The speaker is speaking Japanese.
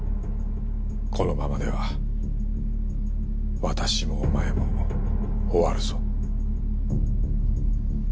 このままでは私もおまえも終わるぞ。